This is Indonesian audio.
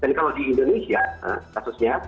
dan kalau di indonesia kasusnya